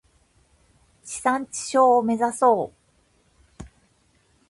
地産地消を目指そう。